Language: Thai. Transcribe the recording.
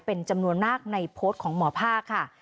เป็นจำนวนมากในโพสต์ของหมอภาคค่ะ